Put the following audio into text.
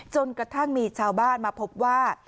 จนกระทั่งมีชาวบ้านมาพบว่า